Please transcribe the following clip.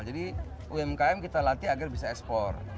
jadi umkm kita latihan agar bisa ekspor